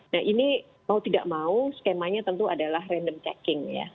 nah ini mau tidak mau skemanya tentu adalah random checking ya